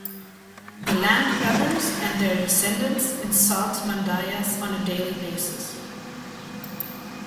The land grabbers and their descendants insult Mandayas on a daily basis.